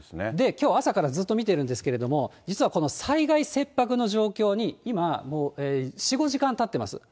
きょう朝からずっと見てるんですけれども、実はこの災害切迫の状況に今、もう４、５時間たってます。